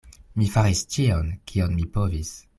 Mi faris ĉion, kion mi povis.